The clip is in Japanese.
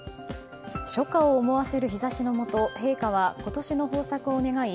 初夏を思わせる日差しのもと陛下は今年の豊作を願い